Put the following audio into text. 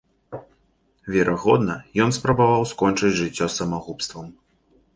Верагодна, ён спрабаваў скончыць жыццё самагубствам.